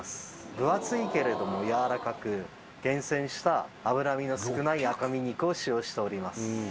分厚いけどやわらかく、厳選した脂身の少ない赤身肉を使用しております。